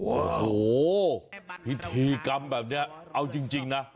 โอ้โหพิธีกรรมแบบนี้เอาจริงนะ